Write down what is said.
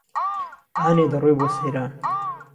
عانێ دهڕۆی بۆ سهیران